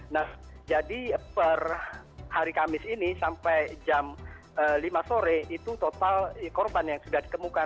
nah jadi per hari kamis ini sampai jam lima sore itu total korban yang sudah ditemukan